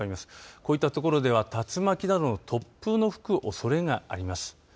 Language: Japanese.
こういうところでは竜巻などの突風の吹くおそれがあります。